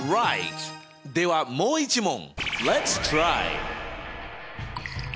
ではもう一問。